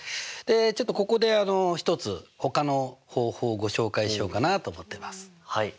ちょっとここで一つほかの方法をご紹介しようかなと思ってます。